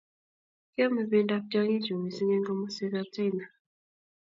Kiame bendab tyong'ichu mising' eng' komoswekab China